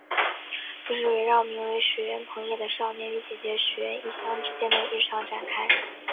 这是围绕名为水原朋也的少年与姐姐水原一香之间的日常展开。